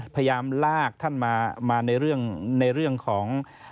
พยายามลากท่านมาในเรื่องของ